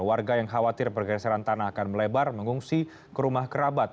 warga yang khawatir pergeseran tanah akan melebar mengungsi ke rumah kerabat